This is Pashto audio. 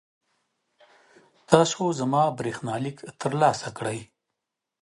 تاسو زما برېښنالیک ترلاسه کړی؟